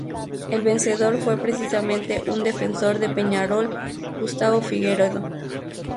El vencedor fue precisamente un defensor de Peñarol, Gustavo Figueredo.